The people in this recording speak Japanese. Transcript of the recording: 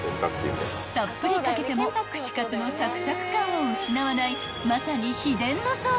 ［たっぷり掛けても串カツのサクサク感を失わないまさに］